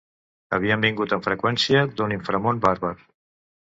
Havien vingut amb freqüència d'un inframón bàrbar.